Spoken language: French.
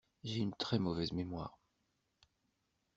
J'ai une très mauvaise mémoire.